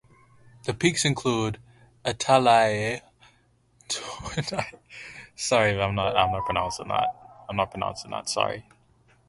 The peaks include Atalaia, Tornozelos and Inferno.